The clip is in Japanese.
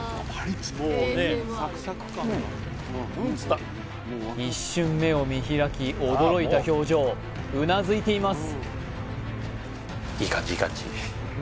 うん一瞬目を見開き驚いた表情うなずいています